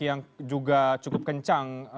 yang juga cukup kencang